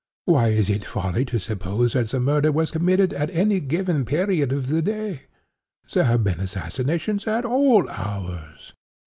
Why is it folly to suppose that the murder was committed at any given period of the day? There have been assassinations at all hours.